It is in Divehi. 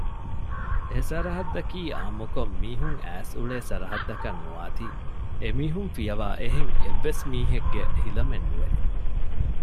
އެސަރަހައްދަކީ އާންމުކޮށް މީހުން އައިސްއުޅޭ ސަރަހައްދަކަށް ނުވާތީ އެމީހުން ފިޔަވާ އެހެން އެއްވެސް މީހެއްގެ ހިލަމެއް ނުވެ